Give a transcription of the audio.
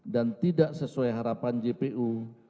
dan tidak sesuai harapan gpu